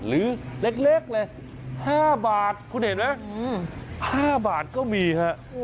หรือเล็กเลย๕บาทคุณเห็นไหม๕บาทก็มีฮะ